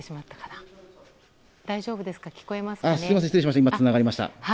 今、つながりました。